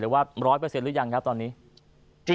หรือว่าร้อยเปอร์เซ็นต์หรือยังครับตอนนี้